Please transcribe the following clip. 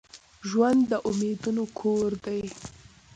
ژوند د امیدونو کور دي.